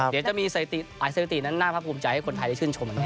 เดี๋ยวจะมีไซตี้นั้นน่าพรากภูมิใจให้คนไทยได้ชื่นชม